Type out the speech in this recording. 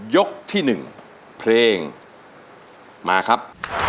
ยกที่๑เพลงมาครับ